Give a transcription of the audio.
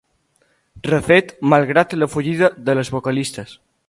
Refet malgrat la fugida de les vocalistes.